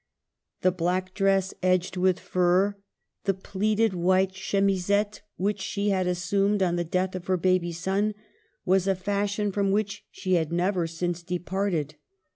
The black dress, edged with fur, the pleated white chemisette, which she had assumed on the death of her baby son, was a fashion from which she had never since departed.